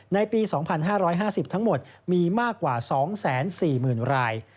ในปี๒๕๕๐ทั้งหมดมีมากกว่า๒๔๐๐๐ราย